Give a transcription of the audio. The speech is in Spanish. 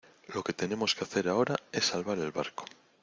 lo que tenemos que hacer ahora es salvar el barco.